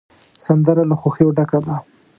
سندره له خوښیو ډکه ده